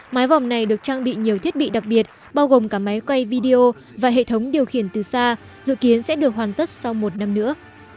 mái vòm này được trang bị nhiều thiết bị đặc biệt bao gồm cả máy quay video và hệ thống điều khiển từ xa dự kiến sẽ được hoàn tất sau một năm nữa